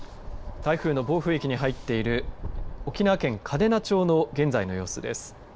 台風の暴風域に入っている沖縄県嘉手納町の現在の様子です。